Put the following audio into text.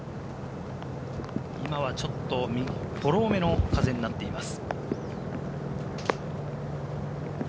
今はちょっとフォローめの風になっています。